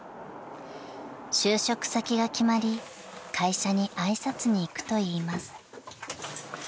［就職先が決まり会社に挨拶に行くといいます］